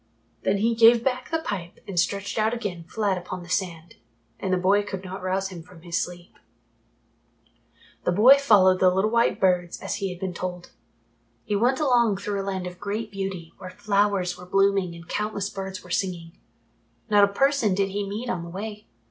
Then he gave back the pipe and stretched out again flat upon the sand, and the boy could not rouse him from his sleep. [Illustration: THEN THE OLD MAN GAVE THE BOY A LARGE PIPE AND SOME TOBACCO] The boy followed the little white birds as he had been told. He went along through a land of great beauty where flowers were blooming and countless birds were singing. Not a person did he meet on the way.